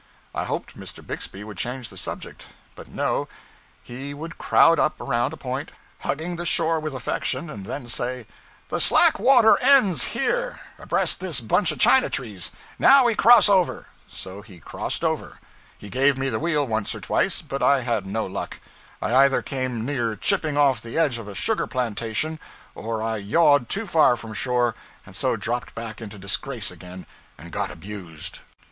I hoped Mr. Bixby would change the subject. But no; he would crowd up around a point, hugging the shore with affection, and then say: 'The slack water ends here, abreast this bunch of China trees; now we cross over.' So he crossed over. He gave me the wheel once or twice, but I had no luck. I either came near chipping off the edge of a sugar plantation, or I yawed too far from shore, and so dropped back into disgrace again and got abused.